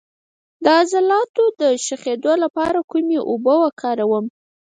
د عضلاتو د شخیدو لپاره کومې اوبه وکاروم؟